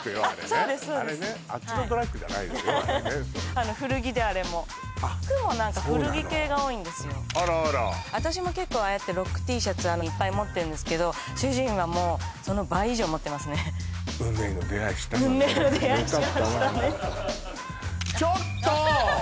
そうなのあらあら私も結構ああやってロックＴシャツいっぱい持ってんですけど主人はもうその倍以上持ってますね運命の出会いしましたねよかったわちょっと！